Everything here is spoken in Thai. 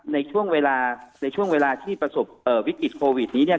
ในช่วงเวลาที่ประสบวิกฤติโควิดนี้